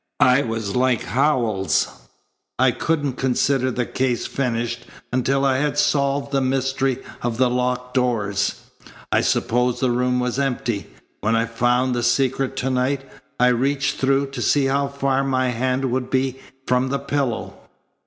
I was like Howells. I couldn't consider the case finished until I had solved the mystery of the locked doors. I supposed the room was empty. When I found the secret to night, I reached through to see how far my hand would be from the pillow."